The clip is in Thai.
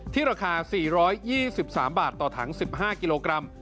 ราคา๔๒๓บาทต่อถัง๑๕กิโลกรัม